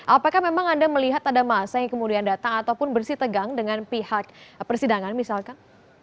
apakah memang anda melihat ada masa yang kemudian datang ataupun bersih tegang dengan pihak persidangan misalkan